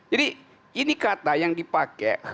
jadi ini kata yang dipakai